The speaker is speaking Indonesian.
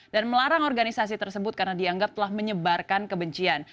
dan melarang organisasi tersebut karena dianggap telah menyebarkan kebencian